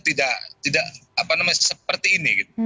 tidak seperti ini